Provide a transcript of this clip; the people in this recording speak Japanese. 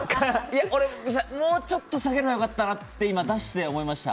俺、もうちょっと下げればよかったなって今、出して思いました。